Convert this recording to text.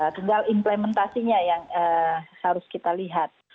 tinggal implementasinya yang harus kita lihat